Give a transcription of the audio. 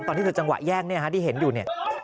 ตอนที่เธอจังหวะแย่งเนี่ยฮะที่เห็นอยู่เนี่ย